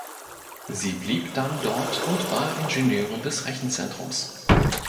Sie blieb dann dort und war Ingenieurin des Rechenzentrums.